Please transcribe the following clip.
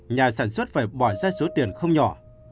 nhà sản xuất phải bỏ ra số tiền không nhỏ